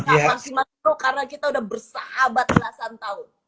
gue gak maksimalin lo karena kita udah bersahabat belasan tahun